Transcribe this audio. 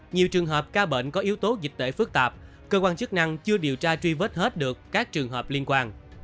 nhiều trường hợp ca bệnh có yếu tố dịch tễ phức tạp cơ quan chức năng chưa điều tra truy vết hết được các trường hợp liên quan